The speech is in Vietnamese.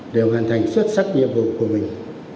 đều hoàn thành xuất sắc nhiệm vụ của mình